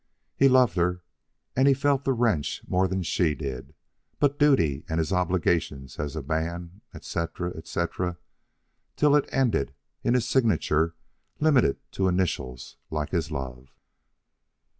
He loved her and felt the wrench more than she did, but duty and his obligations as a man, etc., etc., till it ended in his signature limited to initials like his love.